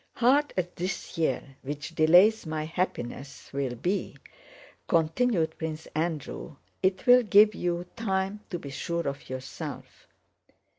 "Hard as this year which delays my happiness will be," continued Prince Andrew, "it will give you time to be sure of yourself.